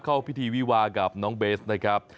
เข้าพิธีวิวากับน้องเบสนะครับ